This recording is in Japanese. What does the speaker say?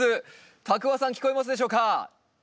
多久和さん聞こえますでしょうか？